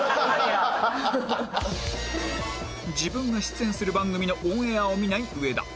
自分が出演する番組のオンエアを見ない上田